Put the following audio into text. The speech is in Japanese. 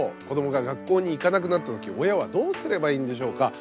子どもが学校に行かなくなった時親はどうすればいいんでしょうか？